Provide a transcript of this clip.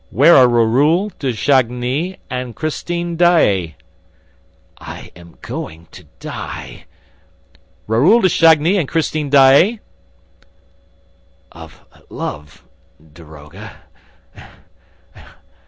"Where are Raoul de Chagny and Christine Daae?" "I am going to die." "Raoul de Chagny and Christine Daae?" "Of love ... daroga